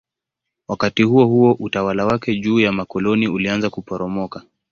Wakati huohuo utawala wake juu ya makoloni ulianza kuporomoka.